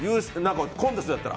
コンテストやったら。